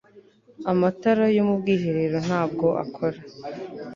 amatara yo mu bwiherero ntabwo akora